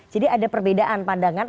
jadi ada perbedaan pandangan